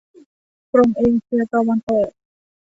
กรมเอเชียตะวันออก